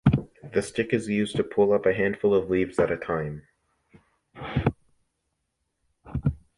The stick is used to pull up a handful of leaves at a time.